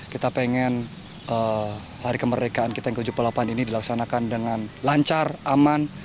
kita pengen hari kemerdekaan kita yang ke tujuh puluh delapan ini dilaksanakan dengan lancar aman